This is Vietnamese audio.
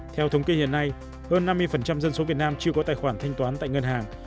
theo thống kê hiện nay hơn năm mươi dân số việt nam chưa có tài khoản thanh toán tại ngân hàng